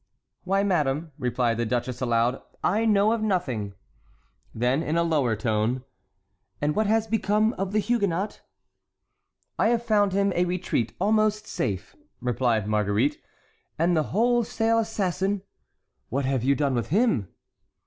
"Why, madame," replied the duchess, aloud, "I know of nothing." Then in a lower tone: "And what has become of the Huguenot?" "I have found him a retreat almost safe," replied Marguerite. "And the wholesale assassin, what have you done with him?"